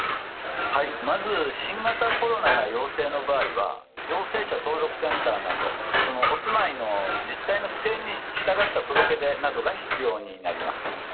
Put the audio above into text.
まず新型コロナが陽性の場合は陽性者登録センターなどお住まいの自治体の規定に従った届け出などが必要になります。